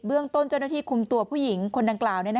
เรื่องต้นเจ้าหน้าที่คุมตัวผู้หญิงคนดังกล่าว